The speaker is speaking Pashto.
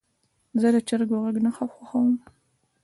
زه د چرګو غږ نه خوښوم.